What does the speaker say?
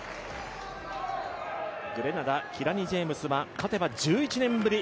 グレナダ、キラニ・ジェームスは勝てば１１年ぶり